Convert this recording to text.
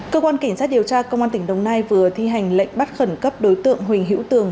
cơ quan cảnh sát điều tra công an tỉnh đồng nai vừa thi hành lệnh bắt khẩn cấp đối tượng huỳnh hữu tường